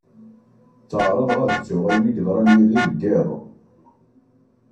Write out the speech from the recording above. Tteɛraḍeɣ ad ttuɣ ayen i yeḍran yid-i deg yiḍ.